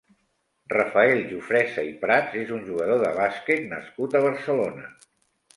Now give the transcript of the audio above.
Rafael Jofresa i Prats és un jugador de bàsquet nascut a Barcelona.